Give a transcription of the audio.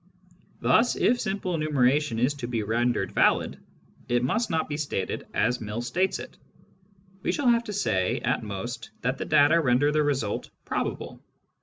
Thus, if simple enumeration is to be rendered valid, it must not be stated as Mill states it. We shall have to say, at most, that the data render the result probable.